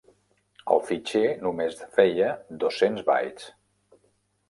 El fitxer només feia dos-cents bytes.